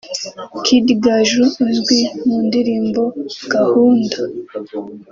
Kid Gaju uzwi mu ndirimbo ‘Gahunda’